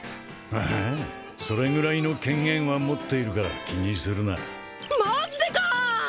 ああそれくらいの権限は持っているから気にするなマジでか！